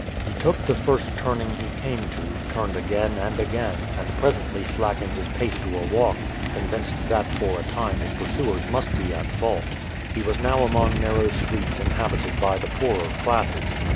He took the first turning he came to, turned again and again, and presently slackened his pace to a walk, convinced that for a time his pursuers must be at fault. He was now among narrow streets inhabited by the poorer classes.